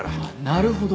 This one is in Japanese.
なるほど。